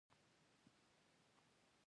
ایا زه باید شیشه وڅکوم؟